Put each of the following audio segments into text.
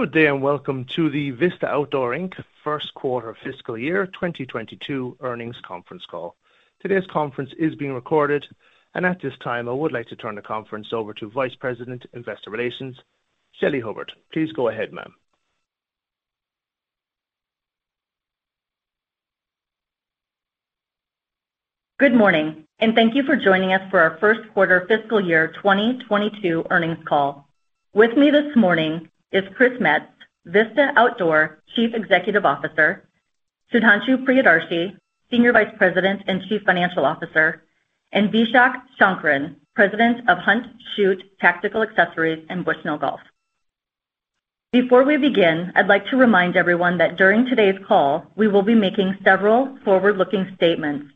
Good day, and welcome to the Vista Outdoor Inc. first quarter fiscal year 2022 earnings conference call. Today's conference is being recorded, and at this time, I would like to turn the conference over to Vice President, Investor Relations, Shelly Hubbard. Please go ahead, ma'am. Good morning, thank you for joining us for our first quarter fiscal year 2022 earnings call. With me this morning is Chris Metz, Vista Outdoor Chief Executive Officer, Sudhanshu Priyadarshi, Senior Vice President and Chief Financial Officer, and Vishak Sankaran, President of Hunt, Shoot, Tactical Accessories, and Bushnell Golf. Before we begin, I'd like to remind everyone that during today's call, we will be making several forward-looking statements,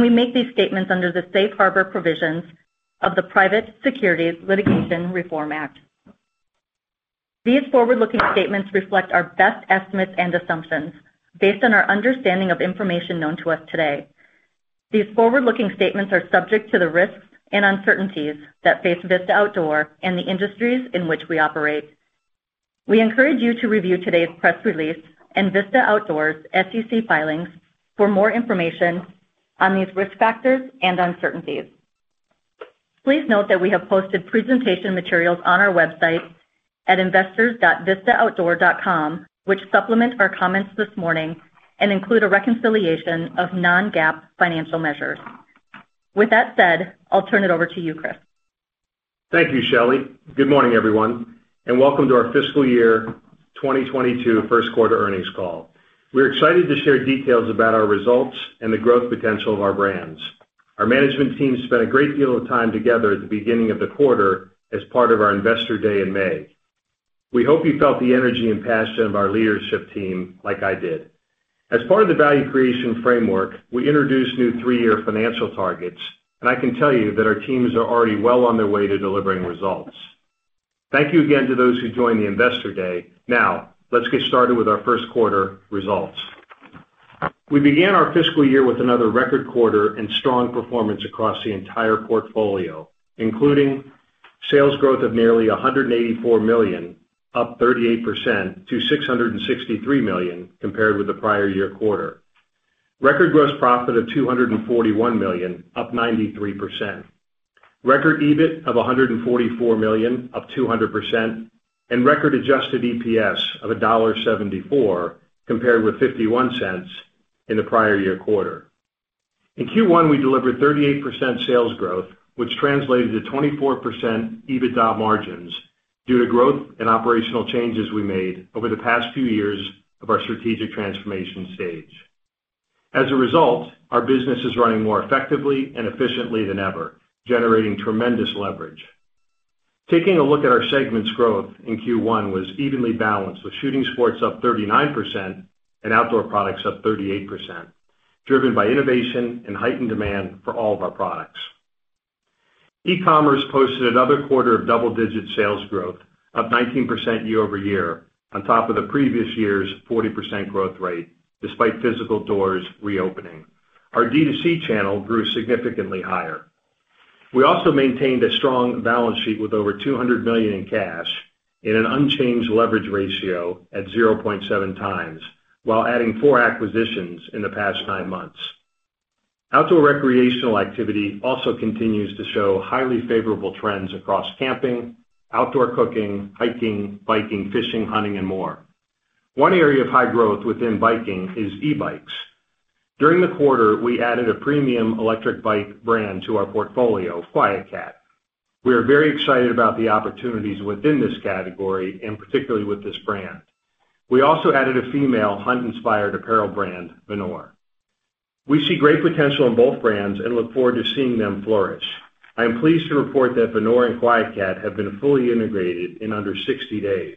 we make these statements under the safe harbor provisions of the Private Securities Litigation Reform Act. These forward-looking statements reflect our best estimates and assumptions based on our understanding of information known to us today. These forward-looking statements are subject to the risks and uncertainties that face Vista Outdoor and the industries in which we operate. We encourage you to review today's press release and Vista Outdoor's SEC filings for more information on these risk factors and uncertainties. Please note that we have posted presentation materials on our website at investors.vistaoutdoor.com, which supplement our comments this morning and include a reconciliation of non-GAAP financial measures. With that said, I'll turn it over to you, Chris. Thank you, Shelly. Good morning, everyone, and welcome to our fiscal year 2022 first quarter earnings call. We're excited to share details about our results and the growth potential of our brands. Our management team spent a great deal of time together at the beginning of the quarter as part of our Investor Day in May. We hope you felt the energy and passion of our leadership team like I did. As part of the value creation framework, we introduced new three-year financial targets, and I can tell you that our teams are already well on their way to delivering results. Thank you again to those who joined the Investor Day. Let's get started with our first quarter results. We began our fiscal year with another record quarter and strong performance across the entire portfolio, including sales growth of nearly $184 million, up 38% to $663 million compared with the prior year quarter. Record gross profit of $241 million, up 93%. Record EBIT of $144 million, up 200%, and record adjusted EPS of $1.74 compared with $0.51 in the prior year quarter. In Q1, we delivered 38% sales growth, which translated to 24% EBITDA margins due to growth and operational changes we made over the past few years of our strategic transformation stage. As a result, our business is running more effectively and efficiently than ever, generating tremendous leverage. Taking a look at our segments, growth in Q1 was evenly balanced, with Shooting Sports up 39% and Outdoor Products up 38%, driven by innovation and heightened demand for all of our products. E-commerce posted another quarter of double-digit sales growth, up 19% year-over-year on top of the previous year's 40% growth rate, despite physical doors reopening. Our D2C channel grew significantly higher. We also maintained a strong balance sheet with over $200 million in cash and an unchanged leverage ratio at 0.7 times while adding four acquisitions in the past nine months. Outdoor recreational activity also continues to show highly favorable trends across camping, outdoor cooking, hiking, biking, fishing, hunting, and more. One area of high growth within biking is e-bikes. During the quarter, we added a premium electric bike brand to our portfolio, QuietKat. We are very excited about the opportunities within this category, and particularly with this brand. We also added a female hunt-inspired apparel brand, Venor. We see great potential in both brands and look forward to seeing them flourish. I am pleased to report that Venor and QuietKat have been fully integrated in under 60 days.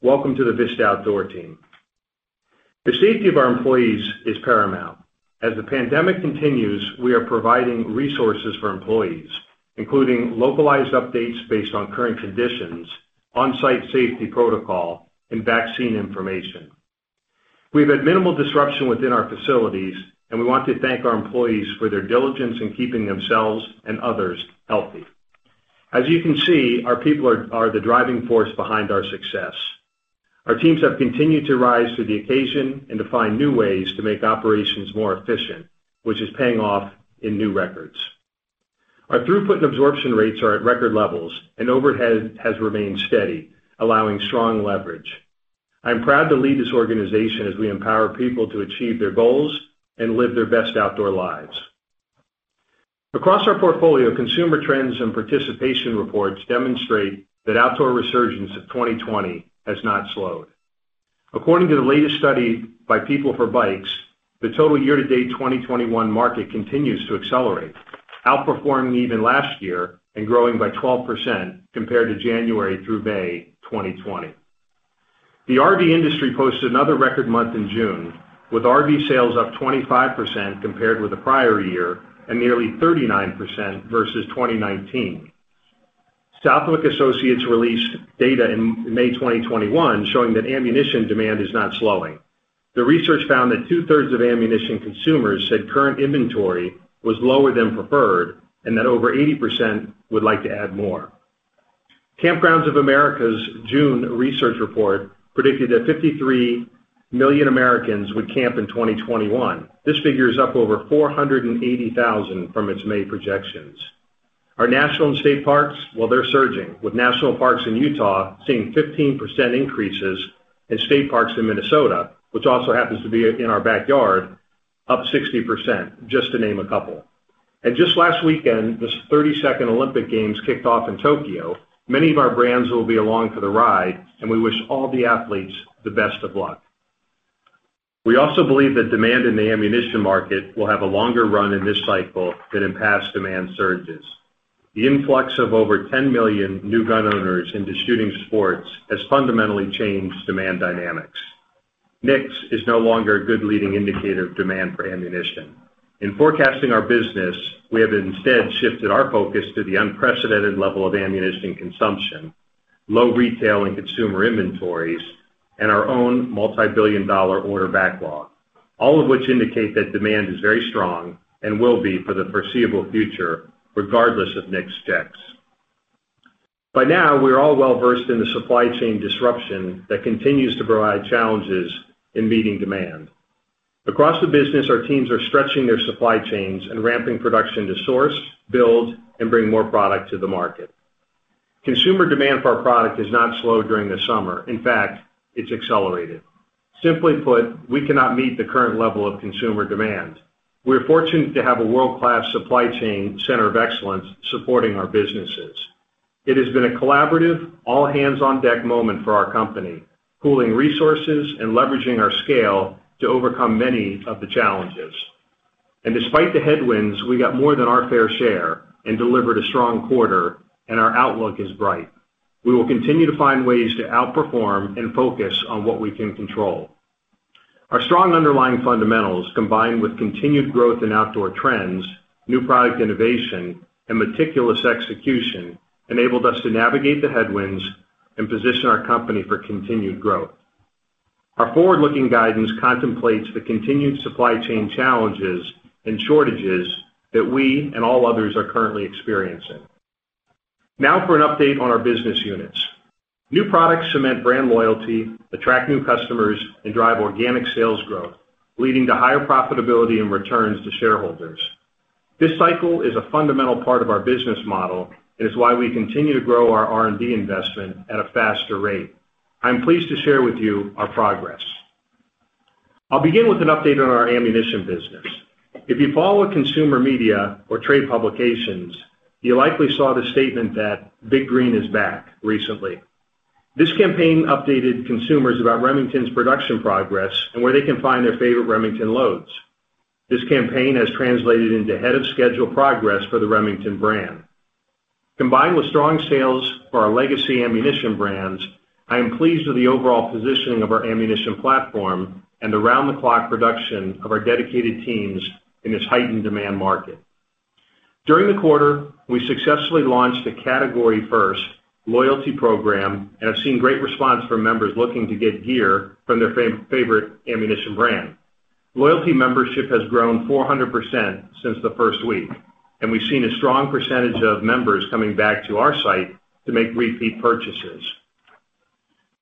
Welcome to the Vista Outdoor team. The safety of our employees is paramount. As the pandemic continues, we are providing resources for employees, including localized updates based on current conditions, on-site safety protocol, and vaccine information. We've had minimal disruption within our facilities, and we want to thank our employees for their diligence in keeping themselves and others healthy. As you can see, our people are the driving force behind our success. Our teams have continued to rise to the occasion and to find new ways to make operations more efficient, which is paying off in new records. Our throughput and absorption rates are at record levels, and overhead has remained steady, allowing strong leverage. I'm proud to lead this organization as we empower people to achieve their goals and live their best outdoor lives. Across our portfolio, consumer trends and participation reports demonstrate that outdoor resurgence of 2020 has not slowed. According to the latest study by PeopleForBikes, the total year-to-date 2021 market continues to accelerate, outperforming even last year and growing by 12% compared to January through May 2020. The RV industry posted another record month in June, with RV sales up 25% compared with the prior year and nearly 39% versus 2019. Southwick Associates released data in May 2021 showing that ammunition demand is not slowing. The research found that two-thirds of ammunition consumers said current inventory was lower than preferred, and that over 80% would like to add more. Kampgrounds of America's June research report predicted that 53 million Americans would camp in 2021. This figure is up over 480,000 from its May projections. Our national and state parks, well, they're surging, with national parks in Utah seeing 15% increases, and state parks in Minnesota, which also happens to be in our backyard, up 60%, just to name a couple. Just last weekend, the 32nd Olympic Games kicked off in Tokyo. Many of our brands will be along for the ride, we wish all the athletes the best of luck. We also believe that demand in the ammunition market will have a longer run in this cycle than in past demand surges. The influx of over 10 million new gun owners into shooting sports has fundamentally changed demand dynamics. NICS is no longer a good leading indicator of demand for ammunition. In forecasting our business, we have instead shifted our focus to the unprecedented level of ammunition consumption, low retail and consumer inventories, and our own multibillion-dollar order backlog, all of which indicate that demand is very strong and will be for the foreseeable future, regardless of NICS checks. By now, we're all well-versed in the supply chain disruption that continues to provide challenges in meeting demand. Across the business, our teams are stretching their supply chains and ramping production to source, build, and bring more product to the market. Consumer demand for our product has not slowed during the summer. In fact, it's accelerated. Simply put, we cannot meet the current level of consumer demand. We're fortunate to have a world-class supply chain center of excellence supporting our businesses. It has been a collaborative, all-hands-on-deck moment for our company, pooling resources and leveraging our scale to overcome many of the challenges. Despite the headwinds, we got more than our fair share and delivered a strong quarter, and our outlook is bright. We will continue to find ways to outperform and focus on what we can control. Our strong underlying fundamentals, combined with continued growth in outdoor trends, new product innovation, and meticulous execution, enabled us to navigate the headwinds and position our company for continued growth. Our forward-looking guidance contemplates the continued supply chain challenges and shortages that we and all others are currently experiencing. Now for an update on our business units. New products cement brand loyalty, attract new customers, and drive organic sales growth, leading to higher profitability and returns to shareholders. This cycle is a fundamental part of our business model and is why we continue to grow our R&D investment at a faster rate. I'm pleased to share with you our progress. I'll begin with an update on our ammunition business. If you follow consumer media or trade publications, you likely saw the statement that Big Green is back recently. This campaign updated consumers about Remington's production progress and where they can find their favorite Remington loads. This campaign has translated into ahead-of-schedule progress for the Remington brand. Combined with strong sales for our legacy ammunition brands, I am pleased with the overall positioning of our ammunition platform and around-the-clock production of our dedicated teams in this heightened demand market. During the quarter, we successfully launched a category-first loyalty program and have seen great response from members looking to get gear from their favorite ammunition brand. Loyalty membership has grown 400% since the first week, and we've seen a strong percentage of members coming back to our site to make repeat purchases.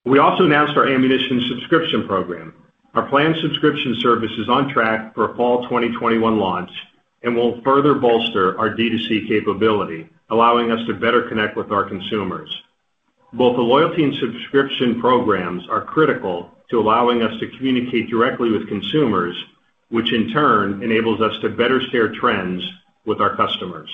We also announced our ammunition subscription program. Our planned subscription service is on track for a fall 2021 launch and will further bolster our D2C capability, allowing us to better connect with our consumers. Both the loyalty and subscription programs are critical to allowing us to communicate directly with consumers, which in turn enables us to better share trends with our customers.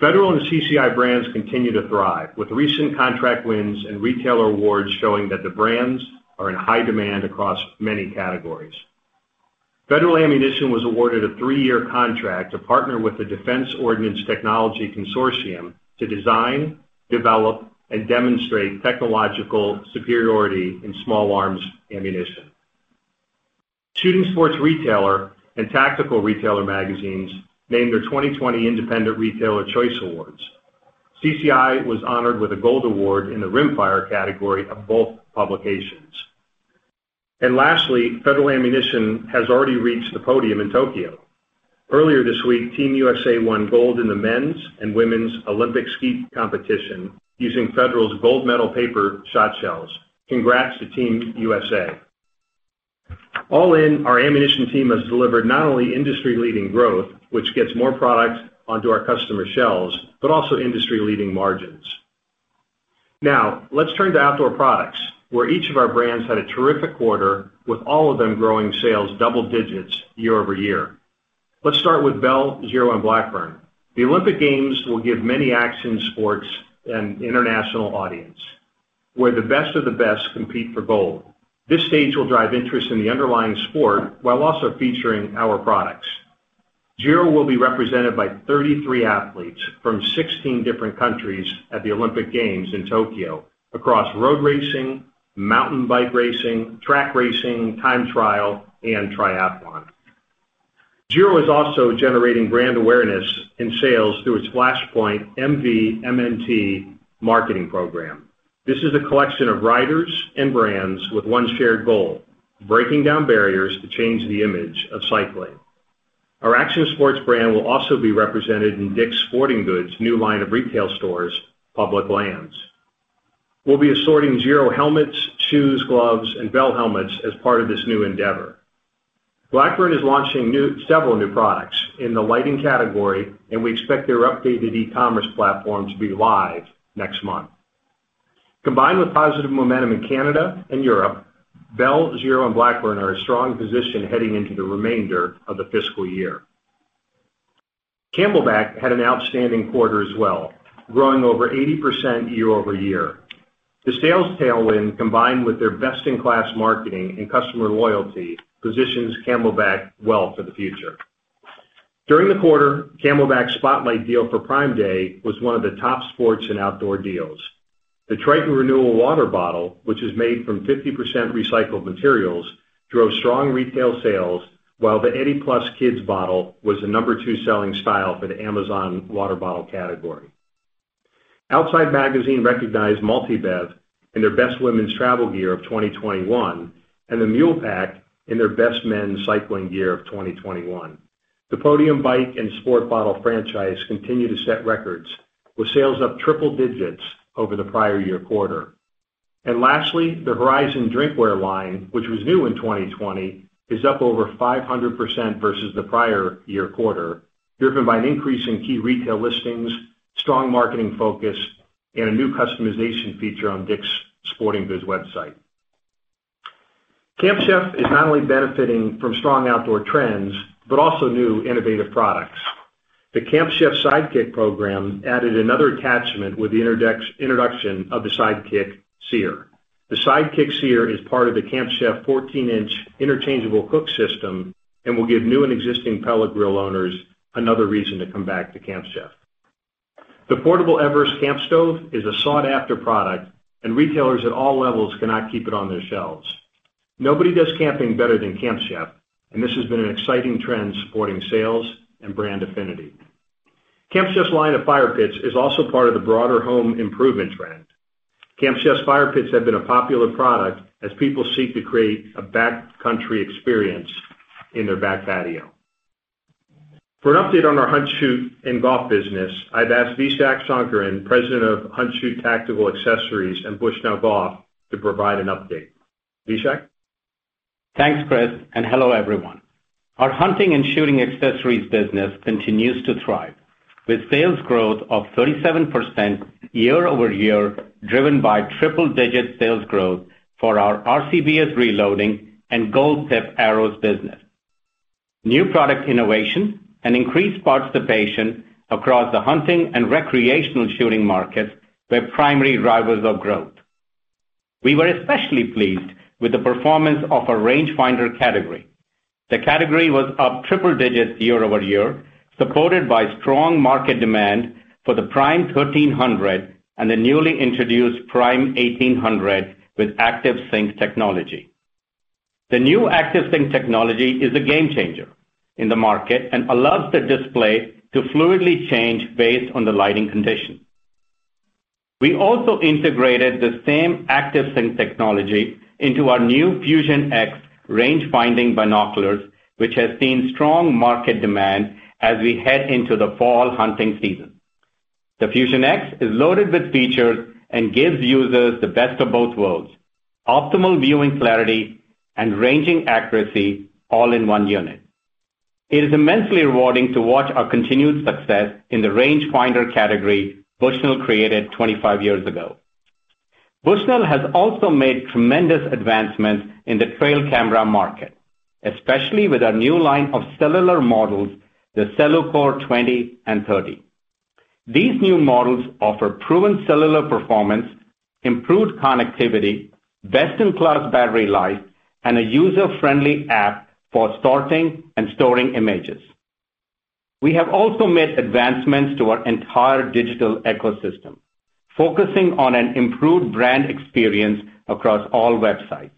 Federal and CCI brands continue to thrive, with recent contract wins and retailer awards showing that the brands are in high demand across many categories. Federal Ammunition was awarded a three-year contract to partner with the Defense Ordnance Technology Consortium to design, develop, and demonstrate technological superiority in small arms ammunition. Shooting Sports Retailer and Tactical Retailer magazines named their 2020 Independent Retailer Choice Awards. CCI was honored with a Gold Award in the Rimfire category of both publications. Lastly, Federal Ammunition has already reached the podium in Tokyo. Earlier this week, Team USA won gold in the men's and women's Olympic skeet competition using Federal's Gold Medal paper shot shells. Congrats to Team USA. All in, our ammunition team has delivered not only industry-leading growth, which gets more product onto our customers' shelves, but also industry-leading margins. Let's turn to outdoor products, where each of our brands had a terrific quarter with all of them growing sales double digits year-over-year. Let's start with Bell, Giro, and Blackburn. The Olympic Games will give many action sports an international audience, where the best of the best compete for gold. This stage will drive interest in the underlying sport while also featuring our products. Giro will be represented by 33 athletes from 16 different countries at the Olympic Games in Tokyo across road racing, mountain bike racing, track racing, time trial, and triathlon. Giro is also generating brand awareness and sales through its Flashpoint MVMNT marketing program. This is a collection of riders and brands with one shared goal, breaking down barriers to change the image of cycling. Our action sports brand will also be represented in DICK'S Sporting Goods' new line of retail stores, Public Lands. We'll be assorting Giro helmets, shoes, gloves, and Bell helmets as part of this new endeavor. Blackburn is launching several new products in the lighting category, and we expect their updated e-commerce platform to be live next month. Combined with positive momentum in Canada and Europe, Bell, Giro, and Blackburn are a strong position heading into the remainder of the fiscal year. CamelBak had an outstanding quarter as well, growing over 80% year-over-year. The sales tailwind, combined with their best-in-class marketing and customer loyalty, positions CamelBak well for the future. During the quarter, CamelBak's spotlight deal for Prime Day was one of the top sports and outdoor deals. The Tritan Renew water bottle, which is made from 50% recycled materials, drove strong retail sales, while the Eddy+ Kids bottle was the number two selling style for the Amazon water bottle category. Outside Magazine recognized MultiBev in their Best Women's Travel Gear of 2021, and the M.U.L.E. Pack in their Best Men's Cycling Gear of 2021. The Podium Bike and Sport Bottle franchise continue to set records, with sales up triple digits over the prior year quarter. Lastly, the Horizon drinkware line, which was new in 2020, is up over 500% versus the prior year quarter, driven by an increase in key retail listings, strong marketing focus, and a new customization feature on DICK'S Sporting Goods' website. Camp Chef is not only benefiting from strong outdoor trends, but also new innovative products. The Camp Chef Sidekick program added another attachment with the introduction of the Sidekick Sear. The Sidekick Sear is part of the Camp Chef 14-inch interchangeable cook system and will give new and existing pellet grill owners another reason to come back to Camp Chef. The portable Everest camp stove is a sought-after product, retailers at all levels cannot keep it on their shelves. Nobody does camping better than Camp Chef, this has been an exciting trend supporting sales and brand affinity. Camp Chef's line of fire pits is also part of the broader home improvement trend. Camp Chef's fire pits have been a popular product as people seek to create a backcountry experience in their back patio. For an update on our hunt, shoot and golf business, I've asked Vishak Sankaran, President of Hunt Shoot Tactical Accessories and Bushnell Golf, to provide an update. Vishak? Thanks, Chris. Hello, everyone. Our hunting and shooting accessories business continues to thrive, with sales growth of 37% year-over-year, driven by triple-digit sales growth for our RCBS Reloading and Gold Tip Arrows business. New product innovation and increased participation across the hunting and recreational shooting markets were primary drivers of growth. We were especially pleased with the performance of our rangefinder category. The category was up triple-digits year-over-year, supported by strong market demand for the Prime 1300 and the newly introduced Prime 1800 with ActivSync technology. The new ActivSync technology is a game changer in the market and allows the display to fluidly change based on the lighting condition. We also integrated the same ActivSync technology into our new Fusion X rangefinding binoculars, which has seen strong market demand as we head into the fall hunting season. The Fusion X is loaded with features and gives users the best of both worlds, optimal viewing clarity and ranging accuracy all in one unit. It is immensely rewarding to watch our continued success in the rangefinder category Bushnell created 25 years ago. Bushnell has also made tremendous advancements in the trail camera market, especially with our new line of cellular models, the CelluCORE 20 and 30. These new models offer proven cellular performance, improved connectivity, best-in-class battery life, and a user-friendly app for sorting and storing images. We have also made advancements to our entire digital ecosystem, focusing on an improved brand experience across all websites.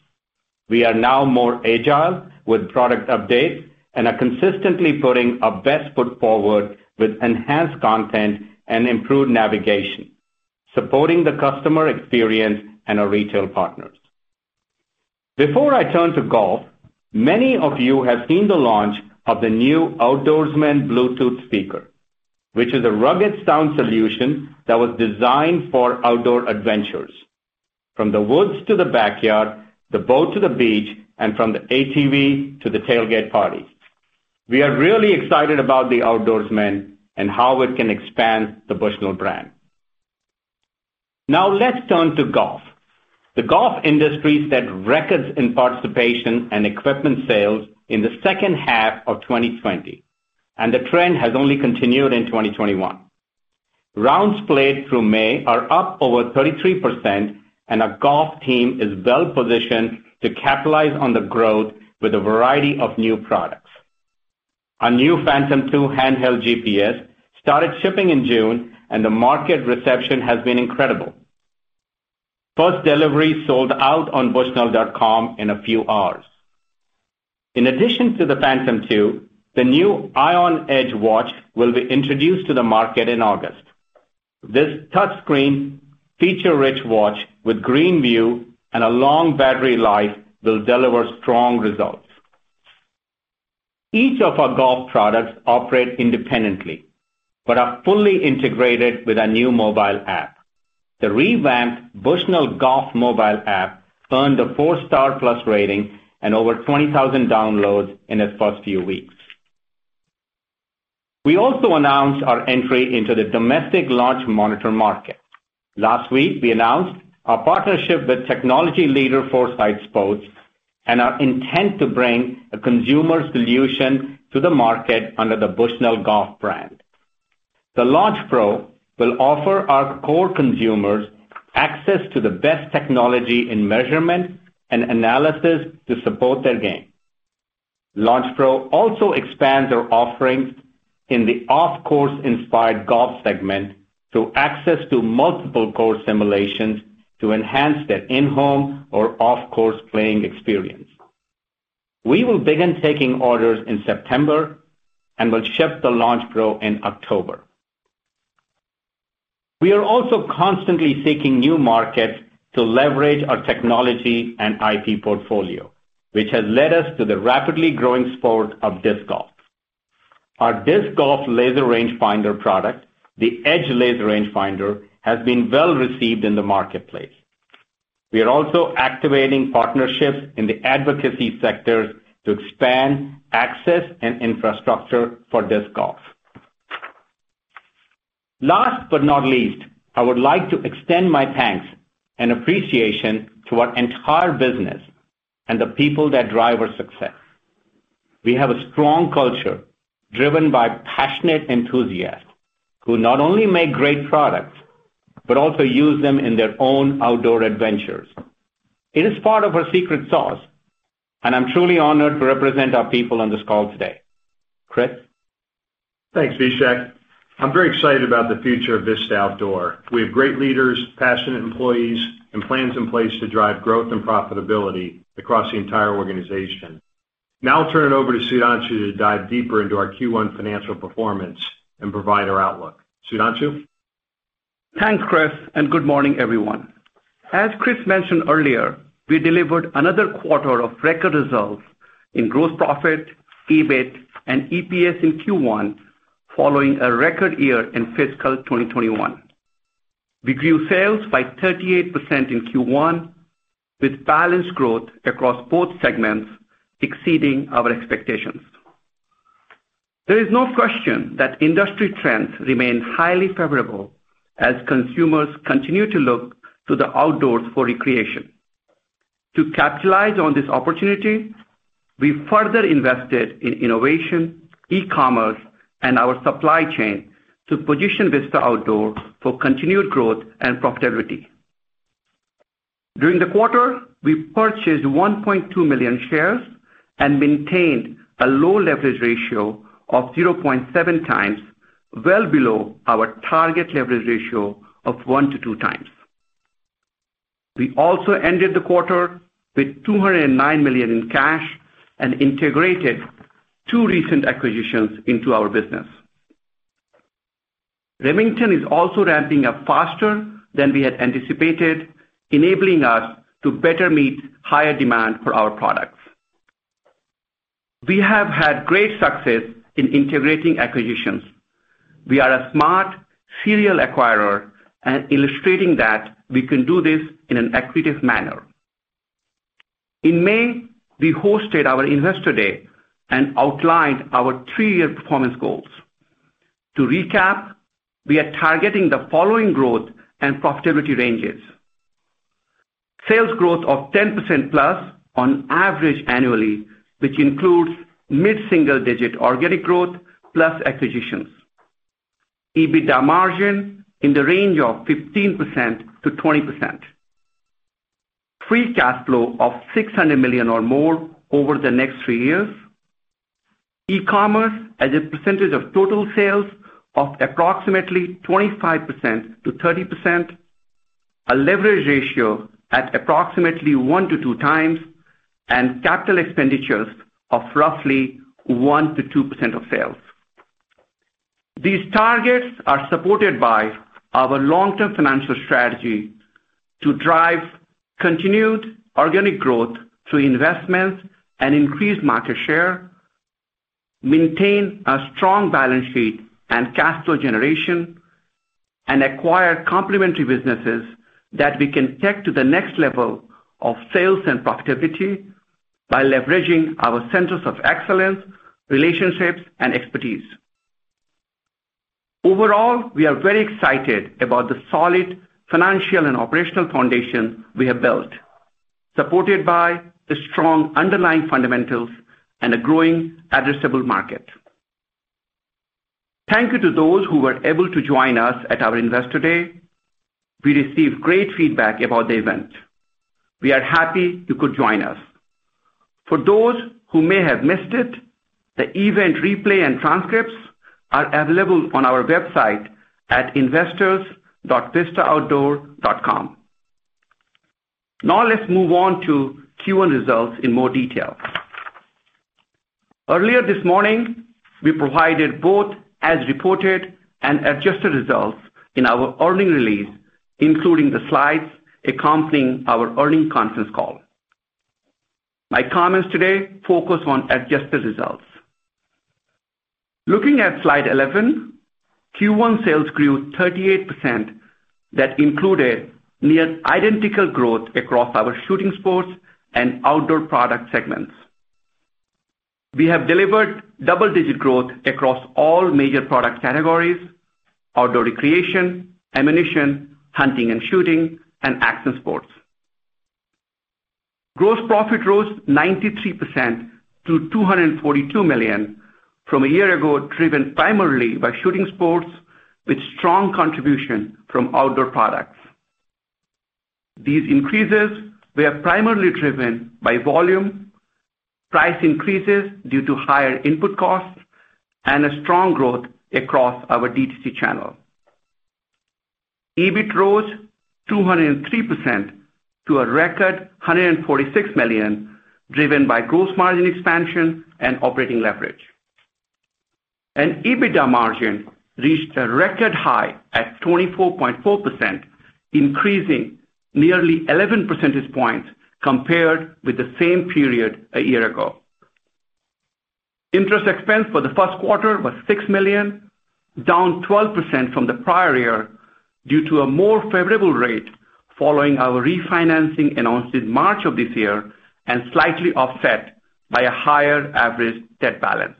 We are now more agile with product updates and are consistently putting our best foot forward with enhanced content and improved navigation, supporting the customer experience and our retail partners. Before I turn to golf, many of you have seen the launch of the new Outdoorsman Bluetooth speaker, which is a rugged sound solution that was designed for outdoor adventures, from the woods to the backyard, the boat to the beach, and from the ATV to the tailgate party. We are really excited about the Outdoorsman and how it can expand the Bushnell brand. Let's turn to golf. The golf industry set records in participation and equipment sales in the second half of 2020, and the trend has only continued in 2021. Rounds played through May are up over 33%, and our golf team is well-positioned to capitalize on the growth with a variety of new products. Our new Phantom 2 handheld GPS started shipping in June, and the market reception has been incredible. First delivery sold out on bushnell.com in a few hours. In addition to the Phantom 2, the new Ion Edge watch will be introduced to the market in August. This touchscreen, feature-rich watch with green view and a long battery life will deliver strong results. Each of our golf products operate independently but are fully integrated with our new mobile app. The revamped Bushnell Golf mobile app earned a four-star plus rating and over 20,000 downloads in its first few weeks. We also announced our entry into the domestic launch monitor market. Last week, we announced our partnership with technology leader, Foresight Sports, and our intent to bring a consumer solution to the market under the Bushnell Golf brand. The Launch Pro will offer our core consumers access to the best technology in measurement and analysis to support their game. Launch Pro also expands our offerings in the off-course inspired golf segment through access to multiple course simulations to enhance their in-home or off-course playing experience. We will begin taking orders in September and will ship the Launch Pro in October. We are also constantly seeking new markets to leverage our technology and IP portfolio, which has led us to the rapidly growing sport of disc golf. Our disc golf laser range finder product, the Edge Laser Range Finder, has been well-received in the marketplace. We are also activating partnerships in the advocacy sectors to expand access and infrastructure for disc golf. Last but not least, I would like to extend my thanks and appreciation to our entire business and the people that drive our success. We have a strong culture driven by passionate enthusiasts who not only make great products, but also use them in their own outdoor adventures. It is part of our secret sauce, and I'm truly honored to represent our people on this call today. Chris? Thanks, Vishak. I'm very excited about the future of Vista Outdoor. We have great leaders, passionate employees, and plans in place to drive growth and profitability across the entire organization. I'll turn it over to Sudhanshu to dive deeper into our Q1 financial performance and provide our outlook. Sudhanshu? Thanks, Chris. Good morning, everyone. As Chris mentioned earlier, we delivered another quarter of record results in gross profit, EBIT, and EPS in Q1, following a record year in fiscal 2021. We grew sales by 38% in Q1, with balanced growth across both segments exceeding our expectations. There is no question that industry trends remain highly favorable as consumers continue to look to the outdoors for recreation. To capitalize on this opportunity, we further invested in innovation, e-commerce, and our supply chain to position Vista Outdoor for continued growth and profitability. During the quarter, we purchased 1.2 million shares and maintained a low leverage ratio of 0.7 times, well below our target leverage ratio of one to two times. We also ended the quarter with $209 million in cash and integrated two recent acquisitions into our business. Remington is also ramping up faster than we had anticipated, enabling us to better meet higher demand for our products. We have had great success in integrating acquisitions. We are a smart serial acquirer and illustrating that we can do this in an accretive manner. In May, we hosted our Investor Day and outlined our three-year performance goals. To recap, we are targeting the following growth and profitability ranges. Sales growth of 10%+ on average annually, which includes mid-single-digit organic growth plus acquisitions. EBITDA margin in the range of 15%-20%. Free cash flow of $600 million or more over the next 3 years. E-commerce as a percentage of total sales of approximately 25%-30%. A leverage ratio at approximately one to two times, and capital expenditures of roughly 1%-2% of sales. These targets are supported by our long-term financial strategy to drive continued organic growth through investments and increase market share, maintain a strong balance sheet and cash flow generation, and acquire complementary businesses that we can take to the next level of sales and profitability by leveraging our centers of excellence, relationships, and expertise. We are very excited about the solid financial and operational foundation we have built, supported by the strong underlying fundamentals and a growing addressable market. Thank you to those who were able to join us at our Investor Day. We received great feedback about the event. We are happy you could join us For those who may have missed it, the event replay and transcripts are available on our website at investors.vistaoutdoor.com. Let's move on to Q1 results in more detail. Earlier this morning, we provided both as reported and adjusted results in our earnings release, including the slides accompanying our earnings conference call. My comments today focus on adjusted results. Looking at slide 11, Q1 sales grew 38% that included near identical growth across our Shooting Sports and Outdoor Product segments. We have delivered double-digit growth across all major product categories, outdoor recreation, ammunition, hunting and shooting, and action sports. Gross profit rose 93% to $242 million from a year ago, driven primarily by Shooting Sports with strong contribution from Outdoor Products. These increases were primarily driven by volume, price increases due to higher input costs, and a strong growth across our DTC channel. EBIT rose 203% to a record $146 million, driven by gross margin expansion and operating leverage. EBITDA margin reached a record high at 24.4%, increasing nearly 11 percentage points compared with the same period a year ago. Interest expense for the first quarter was $6 million, down 12% from the prior year due to a more favorable rate following our refinancing announced in March of this year, and slightly offset by a higher average debt balance.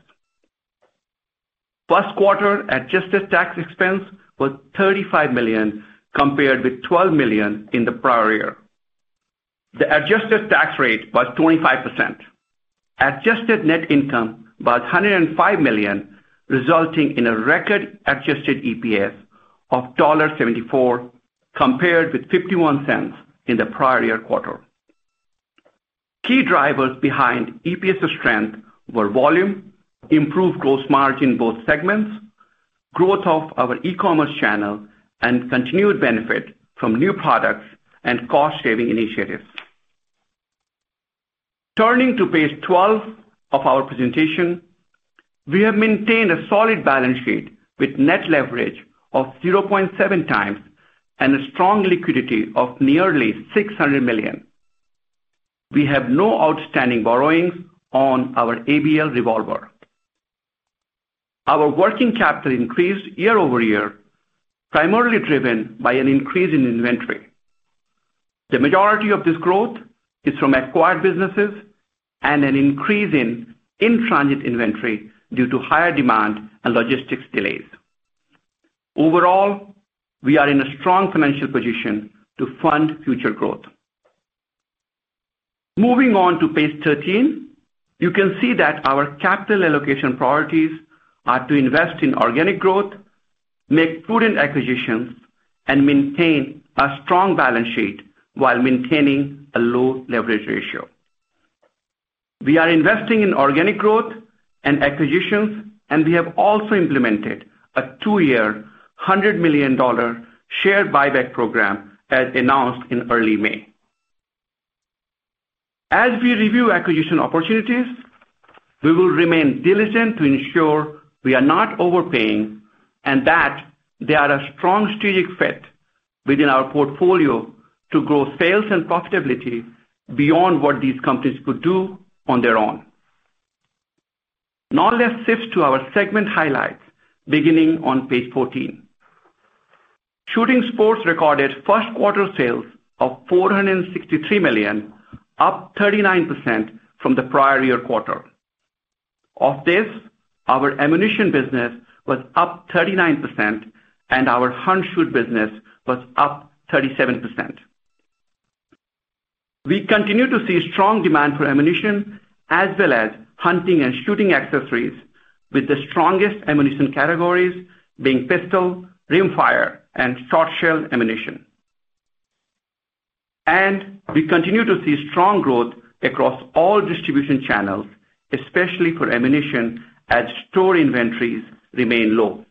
First quarter adjusted tax expense was $35 million, compared with $12 million in the prior year. The adjusted tax rate was 25%. Adjusted net income was $105 million, resulting in a record adjusted EPS of $1.74 compared with $0.51 in the prior year quarter. Key drivers behind EPS strength were volume, improved gross margin in both segments, growth of our e-commerce channel, and continued benefit from new products and cost-saving initiatives. Turning to page 12 of our presentation, we have maintained a solid balance sheet with net leverage of 0.7 times and a strong liquidity of nearly $600 million. We have no outstanding borrowings on our ABL revolver. Our working capital increased year-over-year, primarily driven by an increase in inventory. The majority of this growth is from acquired businesses and an increase in transit inventory due to higher demand and logistics delays. Overall, we are in a strong financial position to fund future growth. Moving on to page 13, you can see that our capital allocation priorities are to invest in organic growth, make prudent acquisitions, and maintain a strong balance sheet while maintaining a low leverage ratio. We are investing in organic growth and acquisitions. We have also implemented a two-year, $100 million shared buyback program as announced in early May. As we review acquisition opportunities, we will remain diligent to ensure we are not overpaying and that they are a strong strategic fit within our portfolio to grow sales and profitability beyond what these companies could do on their own. Let's shift to our segment highlights beginning on page 14. Shooting Sports recorded first quarter sales of $463 million, up 39% from the prior year quarter. Of this, our ammunition business was up 39% and our Hunt Shoot business was up 37%. We continue to see strong demand for ammunition as well as hunting and shooting accessories, with the strongest ammunition categories being pistol, rimfire, and shotshell ammunition. We continue to see strong growth across all distribution channels, especially for ammunition, as store inventories remain low.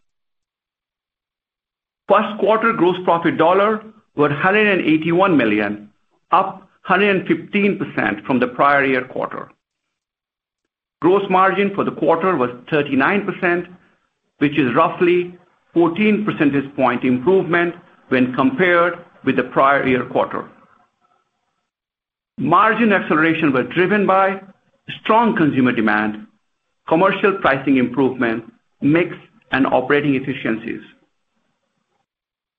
First quarter gross profit dollar were $181 million, up 115% from the prior year quarter. Gross margin for the quarter was 39%, which is roughly 14 percentage point improvement when compared with the prior year quarter. Margin acceleration was driven by strong consumer demand, commercial pricing improvement, mix, and operating efficiencies.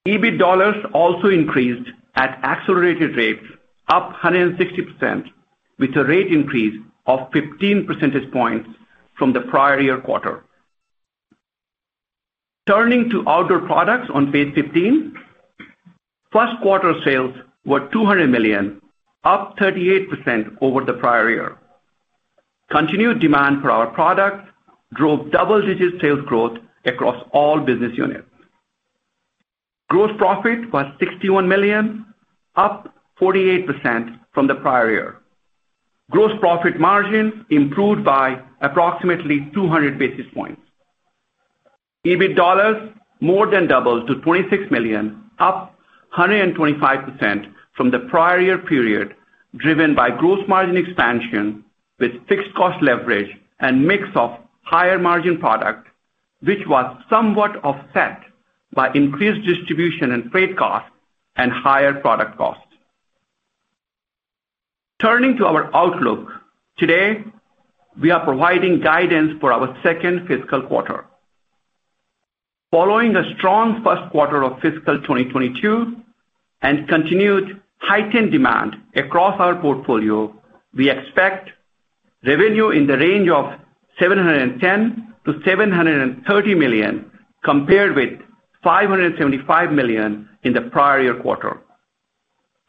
EBIT dollars also increased at accelerated rates, up 160%, with a rate increase of 15 percentage points from the prior year quarter. Turning to outdoor products on page 15, first quarter sales were $200 million, up 38% over the prior year. Continued demand for our products drove double-digit sales growth across all business units. Gross profit was $61 million, up 48% from the prior year. Gross profit margin improved by approximately 200 basis points. EBIT dollars more than doubled to $26 million, up 125% from the prior year period, driven by gross margin expansion with fixed cost leverage and mix of higher margin product, which was somewhat offset by increased distribution and freight costs and higher product costs. Turning to our outlook, today, we are providing guidance for our second fiscal quarter. Following a strong first quarter of fiscal 2022 and continued heightened demand across our portfolio, we expect revenue in the range of $710 million-$730 million, compared with $575 million in the prior year quarter.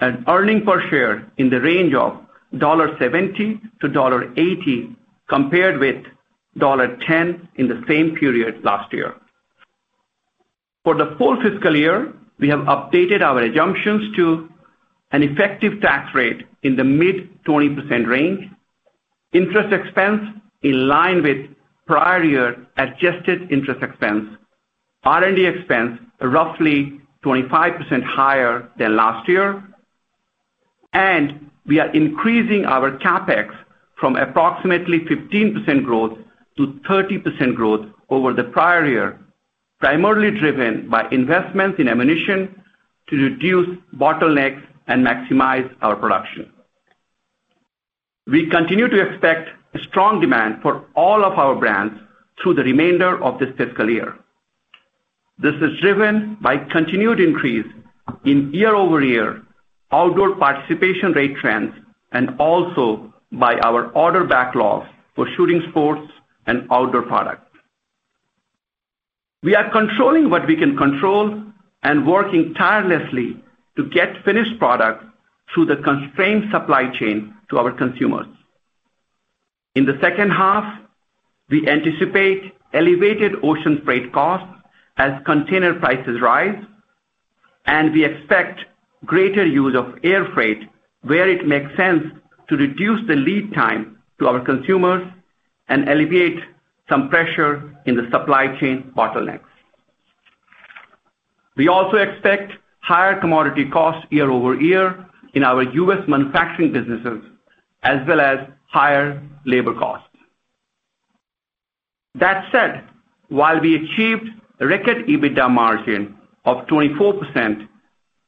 Earning per share in the range of $1.70-$1.80, compared with $1.10 in the same period last year. For the full fiscal year, we have updated our assumptions to an effective tax rate in the mid-20% range, interest expense in line with prior year adjusted interest expense, R&D expense roughly 25% higher than last year, and we are increasing our CapEx from approximately 15%-30% growth over the prior year, primarily driven by investments in ammunition to reduce bottlenecks and maximize our production. We continue to expect strong demand for all of our brands through the remainder of this fiscal year. This is driven by continued increase in year-over-year outdoor participation rate trends, and also by our order backlogs for shooting sports and outdoor products. We are controlling what we can control and working tirelessly to get finished product through the constrained supply chain to our consumers. In the second half, we anticipate elevated ocean freight costs as container prices rise. We expect greater use of air freight where it makes sense to reduce the lead time to our consumers and alleviate some pressure in the supply chain bottlenecks. We also expect higher commodity costs year-over-year in our U.S. manufacturing businesses, as well as higher labor costs. That said, while we achieved record EBITDA margin of 24%,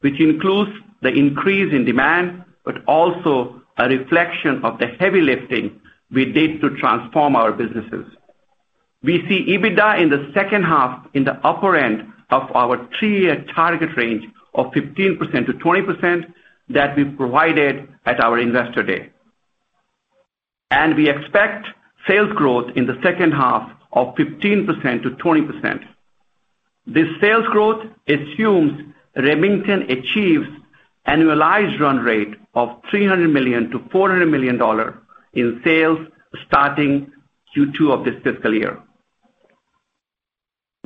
which includes the increase in demand, but also a reflection of the heavy lifting we did to transform our businesses. We see EBITDA in the second half in the upper end of our three-year target range of 15%-20% that we provided at our Investor Day. We expect sales growth in the second half of 15%-20%. This sales growth assumes Remington achieves annualized run rate of $300 million-$400 million in sales starting Q2 of this fiscal year.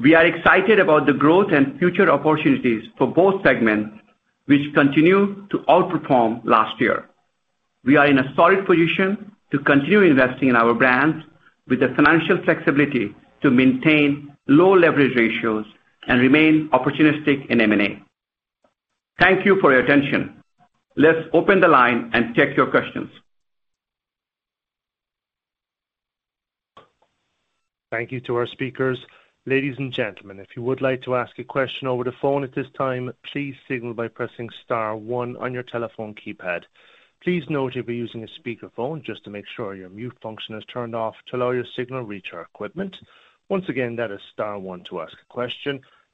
We are excited about the growth and future opportunities for both segments, which continue to outperform last year. We are in a solid position to continue investing in our brands with the financial flexibility to maintain low leverage ratios and remain opportunistic in M&A. Thank you for your attention. Let's open the line and take your questions. Thank you to our speakers.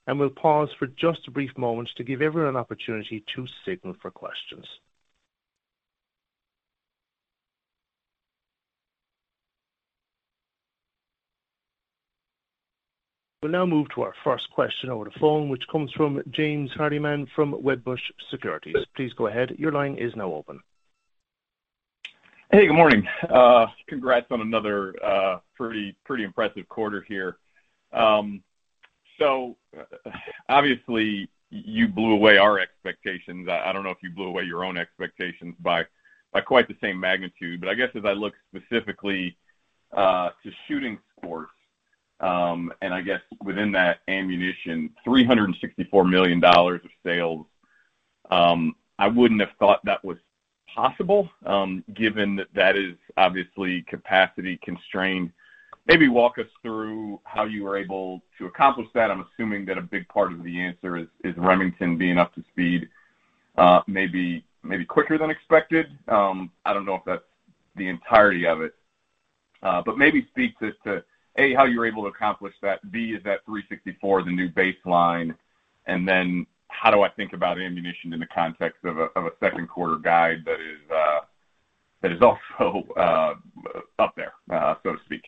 We'll now move to our first question over the phone, which comes from James Hardiman from Wedbush Securities. Please go ahead. Your line is now open. Hey, good morning. Congrats on another pretty impressive quarter here. Obviously, you blew away our expectations. I don't know if you blew away your own expectations by quite the same magnitude. I guess as I look specifically to shooting sports, and I guess within that, ammunition, $364 million of sales. I wouldn't have thought that was possible, given that that is obviously capacity constrained. Maybe walk us through how you were able to accomplish that. I'm assuming that a big part of the answer is Remington being up to speed maybe quicker than expected. I don't know if that's the entirety of it. Maybe speak to, A, how you were able to accomplish that. B, is that 364 the new baseline? How do I think about ammunition in the context of a second quarter guide that is also up there, so to speak.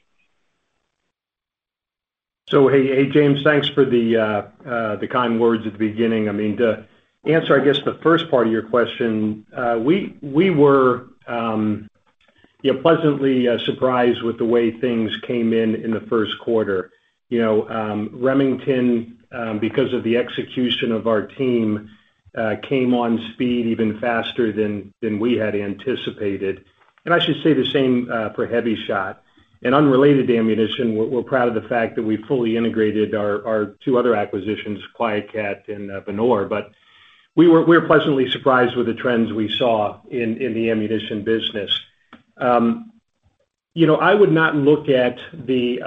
Hey, James. Thanks for the kind words at the beginning. To answer, I guess, the first part of your question, we were pleasantly surprised with the way things came in the first quarter. Remington, because of the execution of our team, came on speed even faster than we had anticipated. I should say the same for Hevi-Shot. Unrelated to ammunition, we're proud of the fact that we fully integrated our two other acquisitions, QuietKat and Venor. We're pleasantly surprised with the trends we saw in the ammunition business. I would not look at the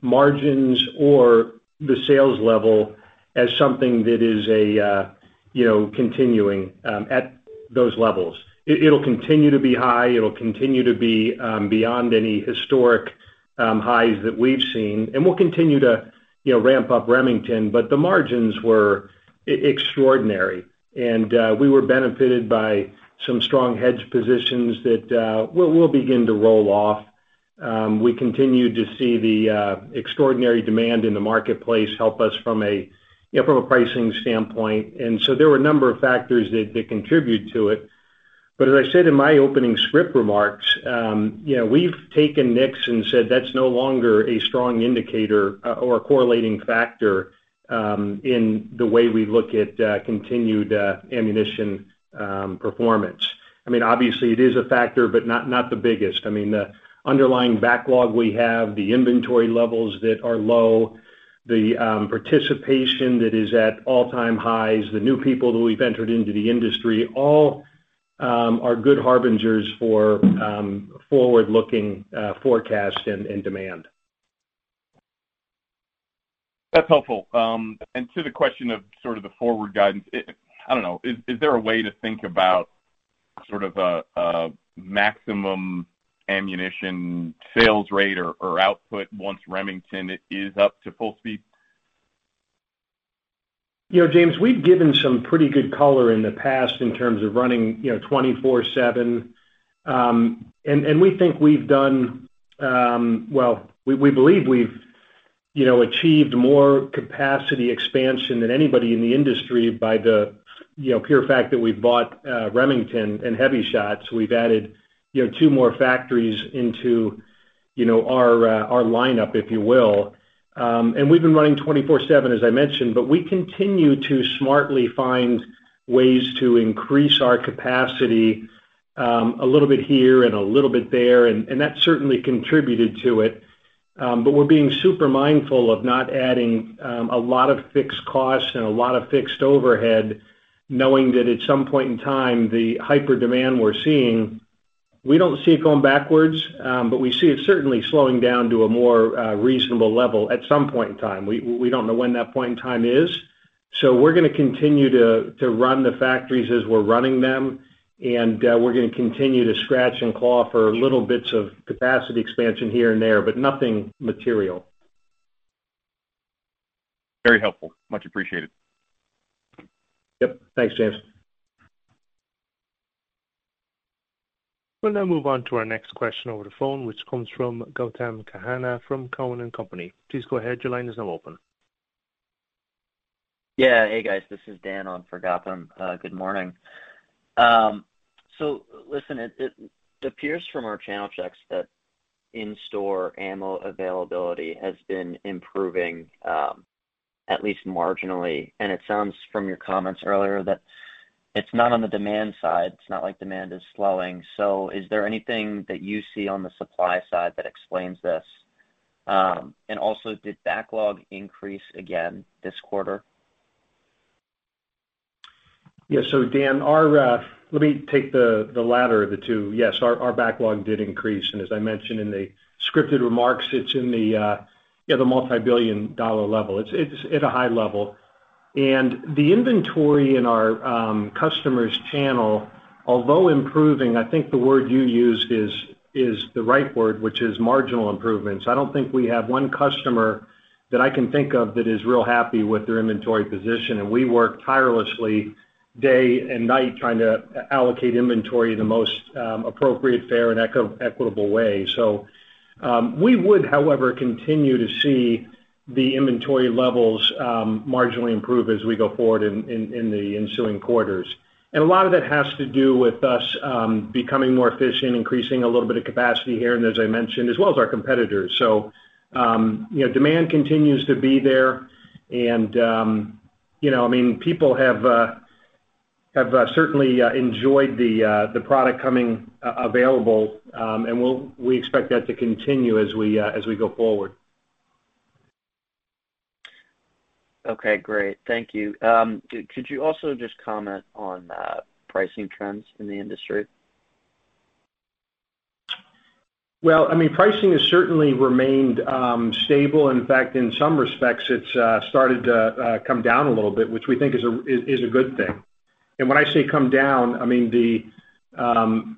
margins or the sales level as something that is continuing at those levels. It'll continue to be high, it'll continue to be beyond any historic highs that we've seen, and we'll continue to ramp up Remington, but the margins were extraordinary. We were benefited by some strong hedge positions that will begin to roll off. We continue to see the extraordinary demand in the marketplace help us from a pricing standpoint. There were a number of factors that contribute to it. As I said in my opening script remarks, we've taken NICS and said that's no longer a strong indicator or a correlating factor in the way we look at continued ammunition performance. Obviously, it is a factor, but not the biggest. The underlying backlog we have, the inventory levels that are low, the participation that is at all-time highs, the new people who we've entered into the industry, all are good harbingers for forward-looking forecasts and demand. That's helpful. To the question of sort of the forward guidance, I don't know, is there a way to think about sort of a maximum ammunition sales rate or output once Remington is up to full speed? James, we've given some pretty good color in the past in terms of running 24/7. We believe we've achieved more capacity expansion than anybody in the industry by the pure fact that we've bought Remington and Hevi-Shot, so we've added two more factories into our lineup, if you will. We've been running 24/7, as I mentioned, but we continue to smartly find ways to increase our capacity a little bit here and a little bit there, and that certainly contributed to it. We're being super mindful of not adding a lot of fixed costs and a lot of fixed overhead, knowing that at some point in time, the hyper demand we're seeing, we don't see it going backwards, but we see it certainly slowing down to a more reasonable level at some point in time. We don't know when that point in time is. We're going to continue to run the factories as we're running them, and we're going to continue to scratch and claw for little bits of capacity expansion here and there, but nothing material. Very helpful. Much appreciated. Yep. Thanks, James. We'll now move on to our next question over the phone, which comes from Gautam Khanna from Cowen and Company. Please go ahead. Your line is now open. Yeah. Hey, guys, this is Dan on for Gautam. Good morning. Listen, it appears from our channel checks that in-store ammo availability has been improving, at least marginally. It sounds from your comments earlier that it's not on the demand side. It's not like demand is slowing. Is there anything that you see on the supply side that explains this? Also, did backlog increase again this quarter? Yeah. Dan, let me take the latter of the two. Yes, our backlog did increase, and as I mentioned in the scripted remarks, it's in the multibillion-dollar level. It's at a high level. The inventory in our customers' channel, although improving, I think the word you used is the right word, which is marginal improvements. I don't think we have one customer that I can think of that is real happy with their inventory position, and we work tirelessly day and night trying to allocate inventory in the most appropriate, fair, and equitable way. We would, however, continue to see the inventory levels marginally improve as we go forward in the ensuing quarters. A lot of that has to do with us becoming more efficient, increasing a little bit of capacity here and as I mentioned, as well as our competitors. Demand continues to be there, and people have certainly enjoyed the product coming available, and we expect that to continue as we go forward. Okay, great. Thank you. Could you also just comment on pricing trends in the industry? Well, pricing has certainly remained stable. In fact, in some respects, it's started to come down a little bit, which we think is a good thing. When I say come down, I mean the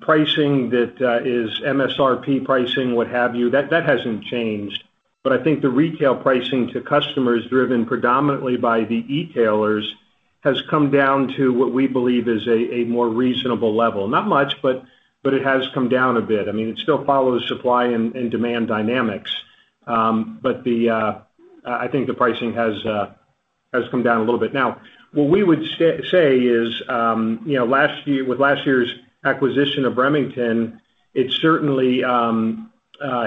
pricing that is MSRP pricing, what have you, that hasn't changed. I think the retail pricing to customers driven predominantly by the e-tailers has come down to what we believe is a more reasonable level. Not much, but it has come down a bit. It still follows supply and demand dynamics, but I think the pricing has come down a little bit. What we would say is, with last year's acquisition of Remington, it certainly